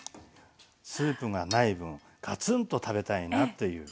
スープがない分ガツンと食べたいなっていう。